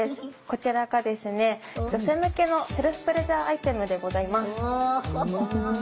こちらが女性向けのセルフプレジャーアイテムでございます。